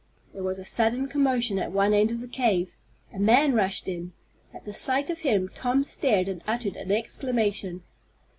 The was a sudden commotion at one end of the cave. A man rushed in. At the sight of him Tom stared and uttered an exclamation.